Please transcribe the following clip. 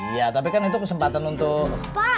iya tapi kan itu kesempatan untuk